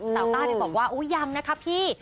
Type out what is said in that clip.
เต๋าก้าวเธอบอกว่าโอ้ยยำนะครับพี่